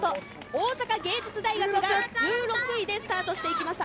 大阪芸術大学が１６位でスタートしていきました。